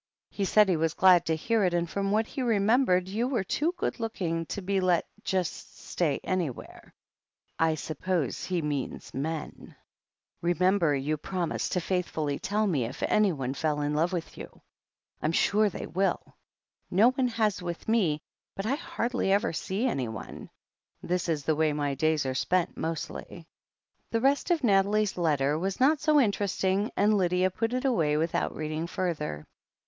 He said he was glad to hear it, and from what he remembered, you were too good looking to be let stay just anywhere! I suppose he mt^^/IHnen ! "Remenjber yOu^ promised faithfully to tell me if t loo THE HEEL OF ACHILLES anyone fell in love with you. Tm sure they will ! No one has with me, but I hardly ever see anyone. This is the way my days are spent, mostly " The rest of Nathalie's letter was not so interesting, and Lydia put it away without reading further.